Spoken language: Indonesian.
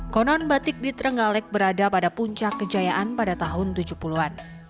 konon batik di trenggalek berada pada puncak kejayaan pada tahun tujuh puluh an